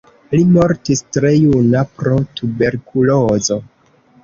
Li mortis tre juna pro tuberkulozo.